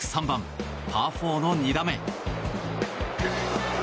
３番、パー４の２打目。